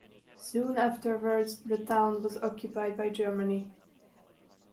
Soon afterwards the town was occupied by Germany.